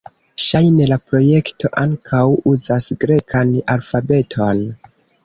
Ŝajne la projekto ankaŭ uzas grekan alfabeton.